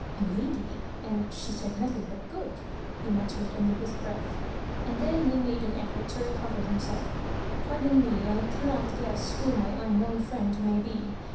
" A lady, and she said nothing but good !" lie muttered, under his breath ; and then he made an effort to recover himselC "Pardon me, I cannot guess who my unknown friend may be.